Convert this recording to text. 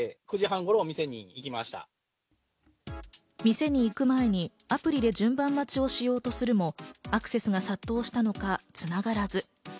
店に行く前にアプリで順番待ちをしようとするもアクセスが殺到したのか繋がらず。